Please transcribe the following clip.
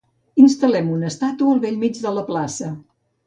Instal·lem una estàtua al bell mig de la plaça.